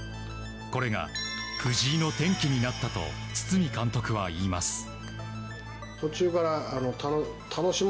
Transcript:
これが藤井の転機になったと堤監督は言います。